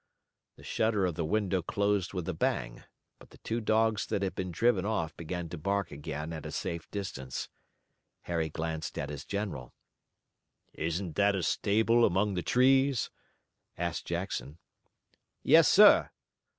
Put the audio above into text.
The shutter of the window closed with a bang, but the two dogs that had been driven off began to bark again at a safe distance. Harry glanced at his general. "Isn't that a stable among the trees?" asked Jackson. "Yes, sir."